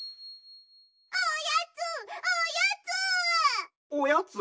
おやつおやつ！